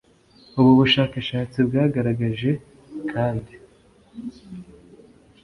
Ubu bushakashatsi bwagaragaje kandi